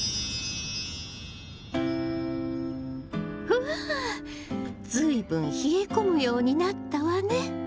うわ随分冷え込むようになったわね。